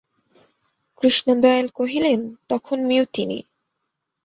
কৃষ্ণদয়াল কহিলেন, তখন মিউটিনি।